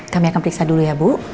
kami akan periksa dulu ya bu